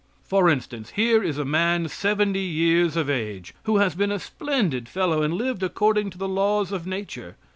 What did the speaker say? For instance: here is a man seventy years of age, who has been a splendid fellow and lived according to the laws of nature.